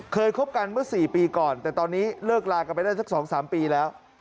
คบกันเมื่อ๔ปีก่อนแต่ตอนนี้เลิกลากันไปได้สัก๒๓ปีแล้ว